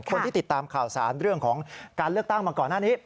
คนที่ติดตามข่าวสารเรื่องของการเลือกตั้งมาก่อนหน้านี้